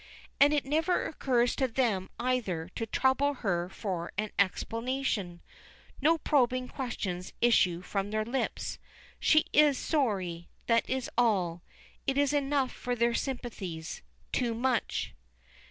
And it never occurs to them, either, to trouble her for an explanation; no probing questions issue from their lips. She is sorry, that is all. It is enough for their sympathies. Too much.